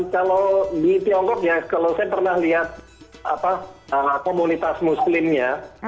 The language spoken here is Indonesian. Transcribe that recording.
kalau di tiongkok ya kalau saya pernah lihat komunitas muslimnya